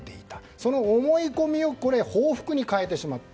その思い込みを報復に変えてしまった。